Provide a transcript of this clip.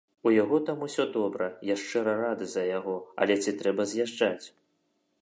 У яго там усё добра, я шчыра рады за яго, але ці трэба з'язджаць?